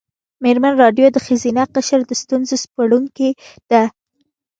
مېرمن راډیو د ښځینه قشر د ستونزو سپړونکې ده.